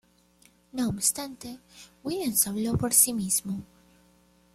No obstante, Williams habló por sí mismo.